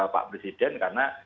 pak presiden karena